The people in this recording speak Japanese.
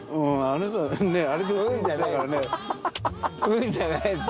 「うん」じゃない！